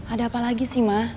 ada apa lagi sih ma